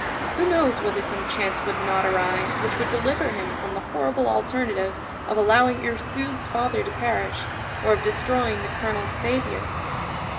Who knows whether some chance would not arise which would deliver him from the horrible alternative of allowing Ursule's father to perish, or of destroying the colonel's saviour?